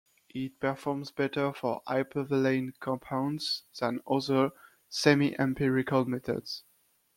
It performs better for hypervalent compounds than other semiempirical methods.